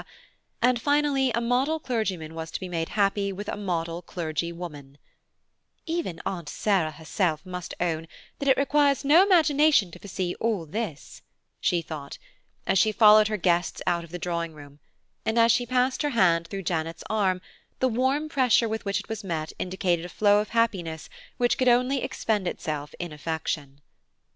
and finally a model clergyman was to be made happy with a model clergywoman "Even Aunt Sarah herself must own that it requires no imagination to foresee all this," she thought, as she followed her guests out of the drawing room; and as she passed her hand through Janet's arm, the warm pressure with which it was met indicated a flow of happiness which could only expend itself in affection.